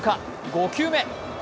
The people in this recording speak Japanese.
５球目。